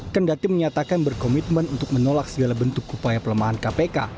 kendati menyatakan berkomitmen untuk menolak segala bentuk upaya pelemahan kpk